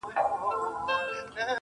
• په خــــنــدا كيــسـه شـــــروع كړه.